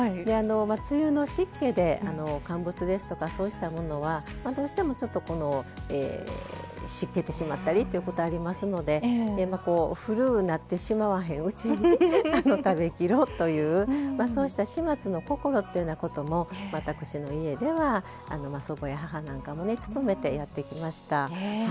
梅雨の湿気で乾物ですとかそうしたものはどうしてもちょっとこのしっけてしまったりということありますので古うなってしまわへんうちに食べきろうというそうした「始末の心」というようなことも私の家では祖母や母なんかもね努めてやってきました。